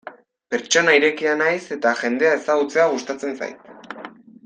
Pertsona irekia naiz eta jendea ezagutzea gustatzen zait.